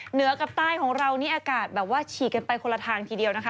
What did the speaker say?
เหนือกับใต้ของเรานี่อากาศแบบว่าฉีกกันไปคนละทางทีเดียวนะคะ